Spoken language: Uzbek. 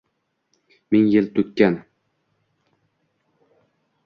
Ming yil to’kkan